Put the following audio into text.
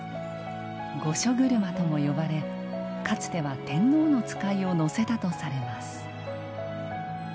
「御所車」とも呼ばれ、かつては天皇の使いを乗せたとされます。